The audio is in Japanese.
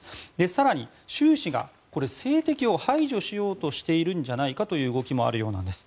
更に、習氏が政敵を排除しようとしているんじゃないかという動きもあるようなんです。